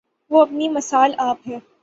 وہ اپنی مثال آپ ہے۔